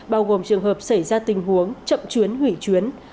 bao gồm trường hợp xảy ra tình huống chậm chuyến hủy chuyến